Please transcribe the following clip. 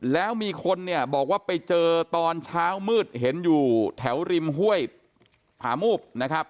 แล้วมีคนเนี่ยบอกว่าไปเจอตอนเช้ามืดเห็นอยู่แถวริมห้วยผามูบนะครับ